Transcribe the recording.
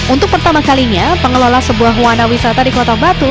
untuk pertama kalinya pengelola sebuah wahana wisata di kota batu